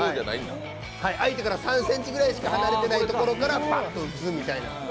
相手から３ｃｍぐらいしか離れていないところからパッと打つみたいな。